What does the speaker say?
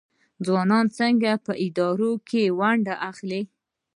ځوانان څنګه په اداره کې ونډه اخلي؟